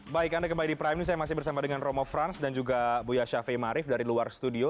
baik anda kembali di prime news saya masih bersama dengan romo frans dan juga buya syafie marif dari luar studio